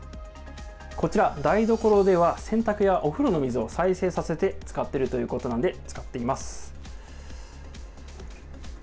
こちら、台所では洗濯やお風呂の水を再生させて使っているということなんで、使ってみます。